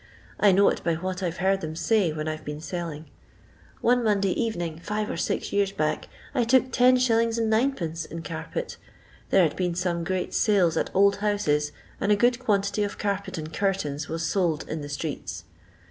I know it by what I 've heard them say when I 've been selling. One Monday evening, five or six years back, I took 10«. 9d. in carpet; there had been some great sales at old houses, and a good quantity of carpet and curtains was sold in the streets.